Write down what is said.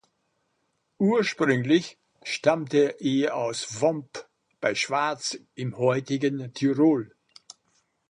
Ursprünglich stammte er aus Vomp bei Schwaz im heutigen Tirol.